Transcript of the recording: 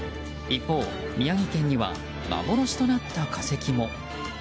宮城県には幻となった恐竜も。